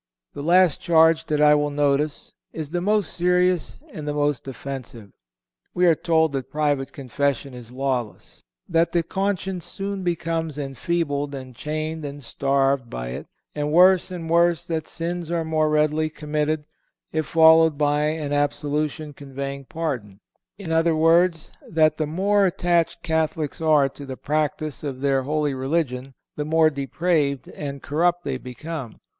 The last charge that I will notice is the most serious and the most offensive. We are told that private confession is lawless; that the conscience soon becomes "enfeebled and chained and starved" by it, and, worse and worse, that sins are more readily committed, if followed by an absolution conveying pardon—in other words, that the more attached Catholics are to the practice of their holy religion the more depraved and corrupt they become.